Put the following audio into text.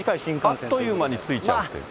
あっという間に着いちゃうっていう。